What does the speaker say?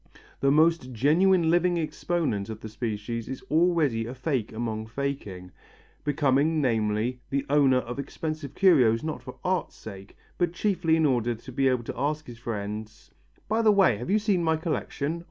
The most genuine living exponent of the species is already a fake among faking: becoming, namely, the owner of expensive curios not for art's sake but chiefly in order to be able to ask his friends: "By the way, have you seen my collection?"